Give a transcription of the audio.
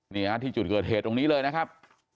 นี่ฮะที่จุดเกิดเหตุตรงนี้เลยนะครับ